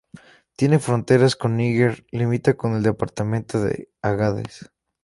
Tiene fronteras con Níger, limita con el departamento de Agadez.